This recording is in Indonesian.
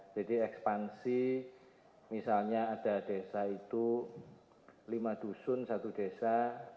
jadi ekspansi misalnya ada desa itu lima dusun satu desa